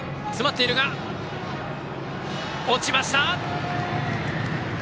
落ちました！